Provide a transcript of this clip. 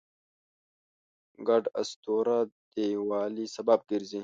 ګډ اسطوره د یووالي سبب ګرځي.